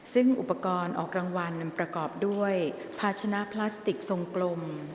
ซึ่งอุปกรณ์ออกรางวัลนำประกอบด้วยภาชนะพลาสติกทรงกลม